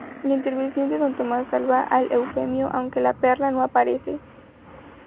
La intervención de don Tomás salva a Eufemio, aunque la perla no aparece.